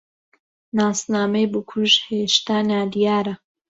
ناسنامەی بکوژ هێشتا نادیارە.